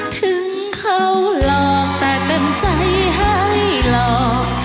ถึงเขาหลอกแต่เต็มใจให้หลอก